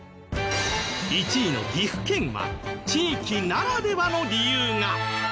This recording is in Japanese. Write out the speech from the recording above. １位の岐阜県は地域ならではの理由が。